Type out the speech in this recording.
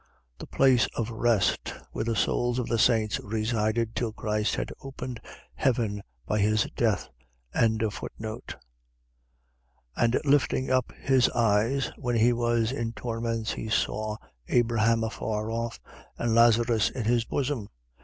. .The place of rest, where the souls of the saints resided, till Christ had opened heaven by his death. 16:23. And lifting up his eyes when he was in torments, he saw Abraham afar off and Lazarus in his bosom: 16:24.